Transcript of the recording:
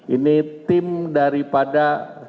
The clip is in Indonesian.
ini tim daripada